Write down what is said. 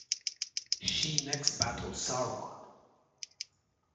She next battled Sauron.